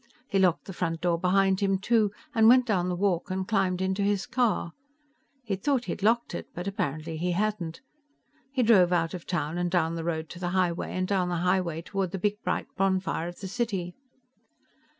He locked the front door behind him, too, and went down the walk and climbed into his car. He had thought he had locked it, but apparently he hadn't. He drove out of town and down the road to the highway, and down the highway toward the big bright bonfire of the city.